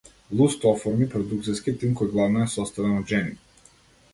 Луст оформи продукциски тим кој главно е составен од жени.